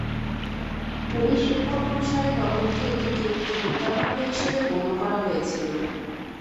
Police report অনুসারে, তদন্তে এটিকে একটি হত্যাকাণ্ড হিসেবে গণ্য করা হয়েছিল।